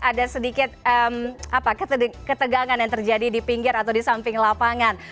ada sedikit ketegangan yang terjadi di pinggir atau di samping lapangan